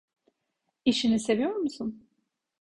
İşini seviyor musun?